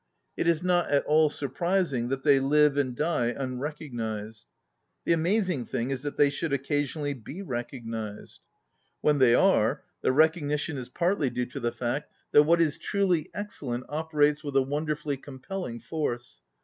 It is not at all surprising that they live and die unrecognized; the amazing thing is that they should occasionally be recognized. When they are, the recognition is partly due to the fact ^4 ON READING that what is truly excellent operates with a wonderfully compelling force.